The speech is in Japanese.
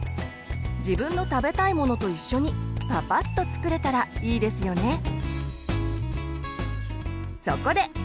自分の食べたいものと一緒にパパッと作れたらいいですよね。